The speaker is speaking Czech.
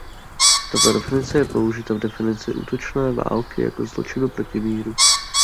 Tato definice je použita v definici útočné války jako zločinu proti míru.